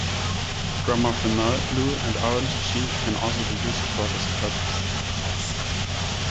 Bromophenol blue and orange G can also be used for this purpose.